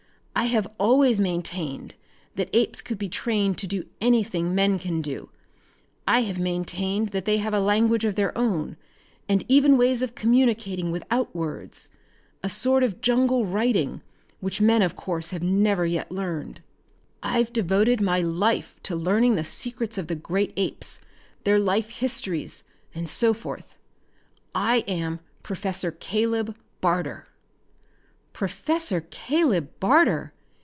I have always maintained that apes could be trained to do anything men can do. I have maintained that they have a language of their own, and even ways of communicating without words, a sort of jungle writing which men of course have never yet learned. I've devoted my life to learning the secrets of the great apes, their life histories, and so forth. I am Professor Caleb Barter!" "Professor Caleb Barter!"